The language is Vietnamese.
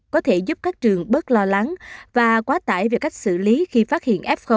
có thể giúp các trường bớt lo lắng và quá tải về cách xử lý khi phát hiện f một